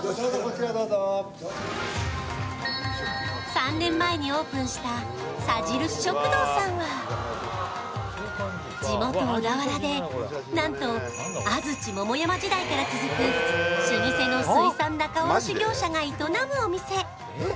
３年前にオープンしたさじるし食堂さんは地元・小田原で、なんと安土・桃山時代から続く老舗の水産仲卸業者が営むお店。